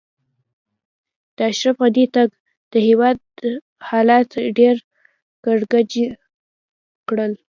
د اشرف غني تګ؛ د هېواد حالات ډېر کړکېچن کړل.